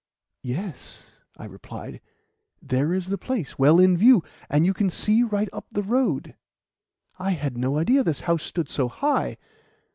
"Yes," I replied; "there is the place well in view, and you can see right up the road. I had no idea this house stood so high.